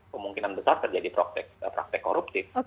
kemungkinan besar terjadi praktek koruptif